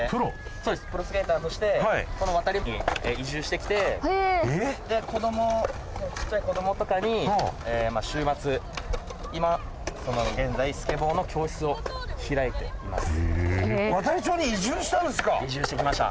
そうですプロスケーターとしてこの亘理に移住してきてへえで子どもちっちゃい子どもとかにまあ週末今現在スケボーの教室を開いていますへえ亘理町に移住したんですか移住してきました